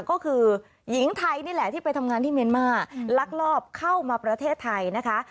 ก็คือหญิงไทยนี่แหละที่ไปทำงานที่เมียนมาลักลอบเข้ามาประเทศไทยนะคะ